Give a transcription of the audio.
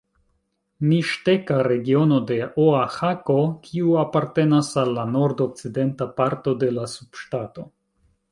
Miŝteka regiono de Oaĥako, kiu apartenas al la nordokcidenta parto de la subŝtato.